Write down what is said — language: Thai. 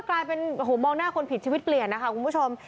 กลายเป็นโอ้โหมองหน้าคนผิดชีวิตเปลี่ยนนะคะคุณผู้ชม